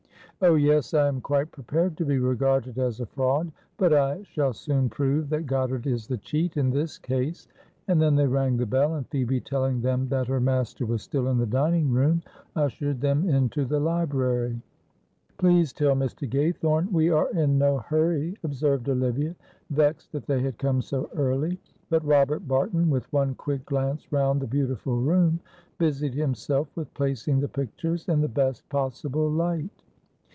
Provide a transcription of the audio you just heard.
"Oh, yes, I am quite prepared to be regarded as a fraud; but I shall soon prove that Goddard is the cheat in this case." And then they rang the bell, and Phoebe, telling them that her master was still in the dining room, ushered them into the library. "Please tell Mr. Gaythorne we are in no hurry," observed Olivia, vexed that they had come so early; but Robert Barton, with one quick glance round the beautiful room, busied himself with placing the pictures in the best possible light.